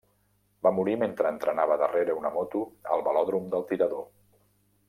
Va morir mentre entrenava darrere una moto al velòdrom del Tirador.